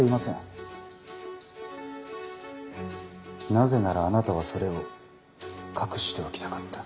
なぜならあなたはそれを隠しておきたかった。